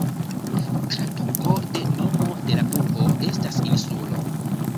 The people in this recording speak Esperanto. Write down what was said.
Traduko de nomo de la urbo estas "insulo".